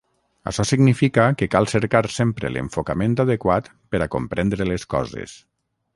Açò significa que cal cercar sempre l'enfocament adequat per a comprendre les coses.